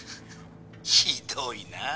ひどいな。